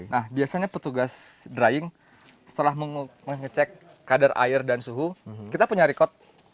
nah biasanya petugas drying setelah mengecek kadar air dan suhu kita punya record